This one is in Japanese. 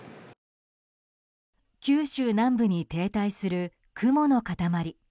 九州南部に停滞する雲の塊。